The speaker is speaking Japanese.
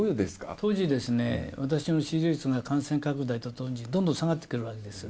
当時、私の支持率が感染拡大とともにどんどん下がってくるわけです。